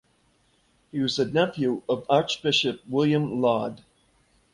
He was the nephew of Archbishop William Laud.